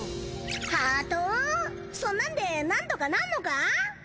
そんなんでなんとかなんのか？